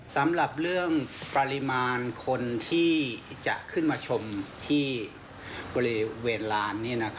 สำหรับเรื่องปริมาณคนที่จะขึ้นมาชมที่บริเวณลาน